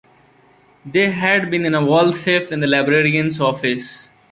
They had been in a wall safe in the Librarian's office.